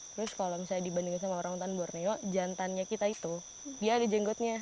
terus kalau misalnya dibandingin sama orangutan borneo jantannya kita itu dia ada jenggotnya